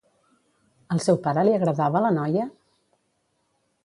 Al seu pare li agradava la noia?